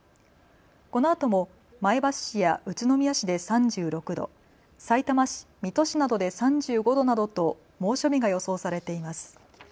このあとも前橋市や宇都宮市で３６度、さいたま市、水戸市などで３５度などと猛暑日が予想されています。